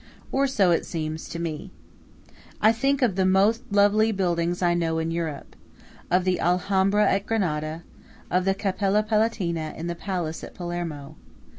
Or so it seems to me. I think of the most lovely buildings I know in Europe of the Alhambra at Granada, of the Cappella Palatina in the palace at Palermo.